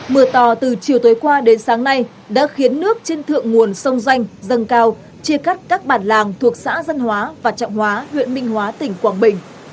mưa to từ chiều tối qua đến sáng nay đã khiến nước trên thượng nguồn sông danh dân cao chia cắt các bản làng thuộc xã dân hóa và trọng hóa huyện minh hóa tỉnh quảng bình